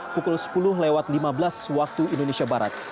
pukul sepuluh lewat lima belas waktu indonesia barat